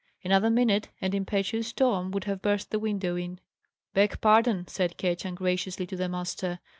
Another minute, and impetuous Tom would have burst the window in. "Beg pardon," said Ketch, ungraciously, to the master.